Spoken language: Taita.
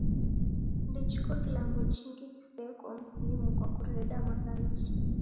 Ndechiko kilambo chingi chiseko m'himu kwa kureda maghaluso.